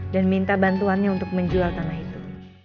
dan minta bantuannya untuk menjual tanah itu